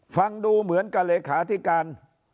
ฟังดูเหมือนกับเลขาธิการ